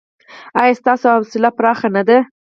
ایا ستاسو حوصله پراخه نه ده؟